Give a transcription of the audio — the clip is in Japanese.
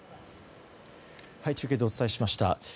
中継でお伝えしました。